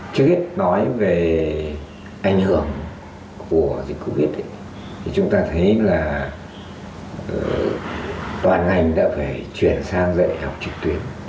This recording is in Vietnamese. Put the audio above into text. trước hết nói về ảnh hưởng của dịch covid thì chúng ta thấy là toàn ngành đã phải chuyển sang dạy học trực tuyến